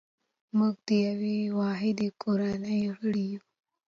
موږ د یوې واحدې کورنۍ غړي یو.